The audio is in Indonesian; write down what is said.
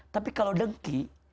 tapi kalau demki